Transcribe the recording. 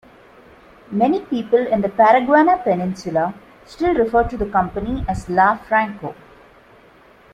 Many people in the Paraguaná Peninsula still refer to the company as "La Franco".